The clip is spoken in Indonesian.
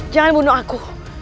jangan bunuh aku